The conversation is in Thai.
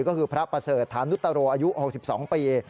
ก็คือพระปเศรษฐานุตโตรอายุ๖๒ปี